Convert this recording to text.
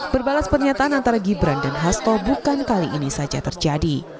berbalas pernyataan antara gibran dan hasto bukan kali ini saja terjadi